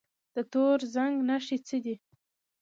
د تور زنګ نښې څه دي؟